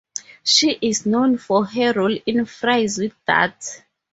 She is known for her role in Fries with That?